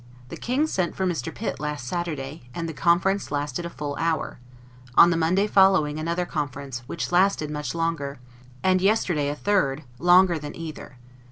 The King sent for Mr. Pitt last Saturday, and the conference lasted a full hour; on the Monday following another conference, which lasted much longer; and yesterday a third, longer than either.